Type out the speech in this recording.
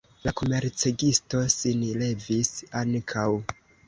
La komercegisto sin levis ankaŭ.